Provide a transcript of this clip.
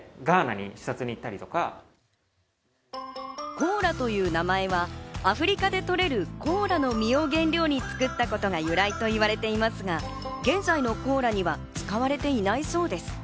コーラという名前は、アフリカで取れるコーラの実を原料に作ったことが由来と言われていますが、現在のコーラには使われていないそうです。